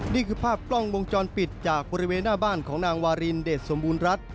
นี่คือภาพกล้องวงจรปิดจากบริเวณหน้าบ้านของนางวารินเดชสมบูรณรัฐ